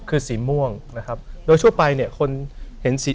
คือสีม่วงนะครับโดยทั่วไปเนี่ยคนเห็นสี